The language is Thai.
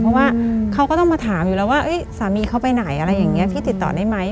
เพราะว่าเขาก็ต้องมาถามอยู่แล้วว่าสามีเขาไปไหนอะไรอย่างนี้พี่ติดต่อได้ไหม